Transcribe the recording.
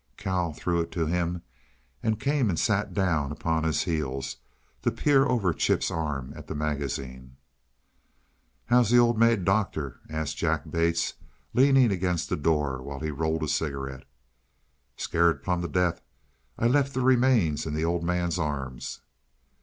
Cal threw it to him and came and sat down upon his heels to peer over Chip's arm at the magazine. "How's the old maid doctor?" asked Jack Bates, leaning against the door while he rolled a cigarette. "Scared plum to death. I left the remains in the Old Man's arms."